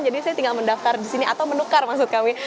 jadi saya tinggal mendaftar di sini atau menukar maksud kami